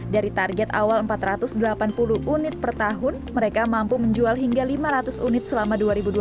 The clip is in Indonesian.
dari target awal empat ratus delapan puluh unit per tahun mereka mampu menjual hingga lima ratus unit selama dua ribu dua puluh